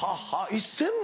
１０００万？